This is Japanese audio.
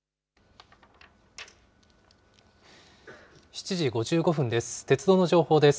７時５５分です。